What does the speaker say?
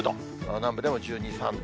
南部でも１２、３度。